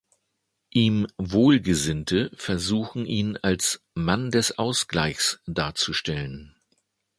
Ihm Wohlgesinnte versuchen ihn als „Mann des Ausgleichs“ darzustellen.